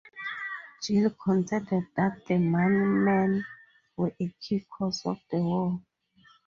Gill contended that the "money men" were a key cause of the war.